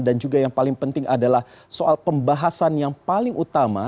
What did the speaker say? dan juga yang paling penting adalah soal pembahasan yang paling utama